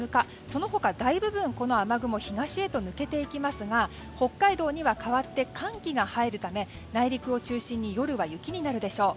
その他、大部分、この雨雲東へと抜けていきますが北海道には代わって寒気が入るため内陸を中心に夜は雪になるでしょう。